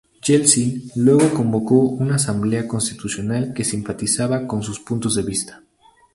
Yeltsin luego convocó una Asamblea Constitucional que simpatizaba con sus puntos de vista.